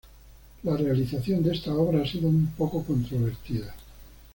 La realización de esta obra ha sido un poco controvertida.